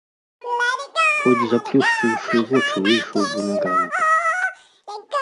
Хоць заплюшчыўшы вочы выйшаў бы на ганак.